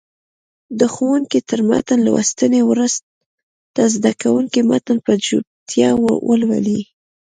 د ښوونکي تر متن لوستنې وروسته زده کوونکي متن په چوپتیا ولولي.